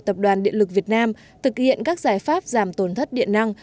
tập đoàn điện lực việt nam thực hiện các giải pháp giảm tổn thất điện năng